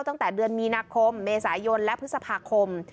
ตั้งแต่เดือนมีนาคมเมษายนและพฤษภาคม